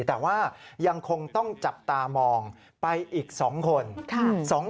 แต่ว่ายังคงต้องจับตามองไปอีก๒คน